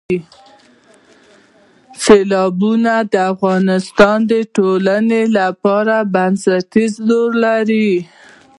سیلابونه د افغانستان د ټولنې لپاره بنسټيز رول لري.